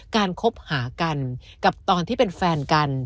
คบหากันกับตอนที่เป็นแฟนกัน